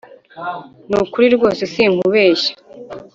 ni ukuri rwose sinkubeshya